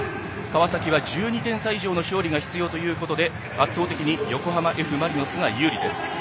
川崎は１２点差以上の勝利が必要ということで圧倒的に横浜Ｆ・マリノスが有利です。